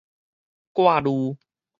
掛慮